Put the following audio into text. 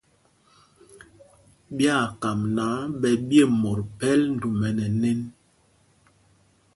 Ɓyaa kam náǎ ɓɛ ɓye mot phɛl ndumɛ nɛ nēn.